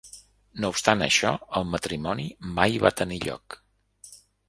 No obstant això, el matrimoni mai va tenir lloc.